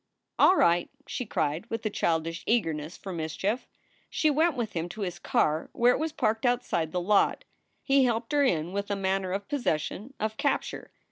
"All right!" she cried, with a childish eagerness for mis chief. She went with him to his car where it was parked outside the lot. He helped her in with a manner of possession, of capture.